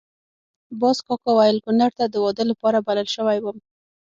باز کاکا ویل کونړ ته د واده لپاره بلل شوی وم.